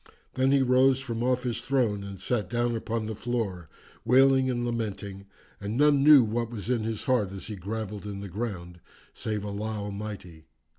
Then he rose from off his throne and sat down upon the floor wailing and lamenting and none knew what was in heart as he grovelled in the ground save Allah Almighty."